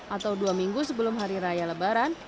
atau dua minggu sebelum hari raya lebaran